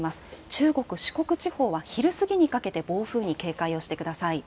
中国、四国地方は昼過ぎにかけて暴風に警戒をしてください。